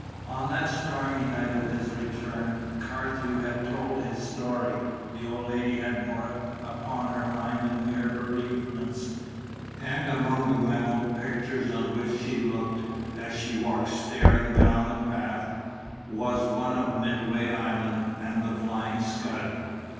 On that stormy night of his return, Carthew had told his story; the old lady had more upon her mind than mere bereavements; and among the mental pictures on which she looked, as she walked staring down the path, was one of Midway Island and the Flying Scud.